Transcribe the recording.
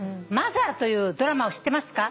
「『Ｍｏｔｈｅｒ』というドラマを知ってますか？」